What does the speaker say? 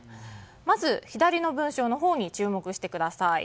まず左の文章のほうに注目してください。